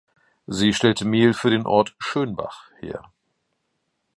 Sie stellte Mehl für den Ort Schönbach her.